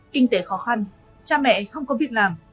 kinh tế khó khăn cha mẹ không có việc làm